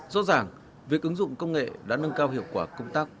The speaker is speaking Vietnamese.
rõ ràng việc ứng dụng công nghệ đã nâng cao hiệu quả công tác